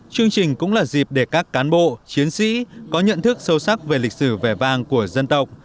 chương trình cũng là dịp để các cán bộ chiến sĩ có nhận thức sâu sắc về lịch sử vẻ vang của dân tộc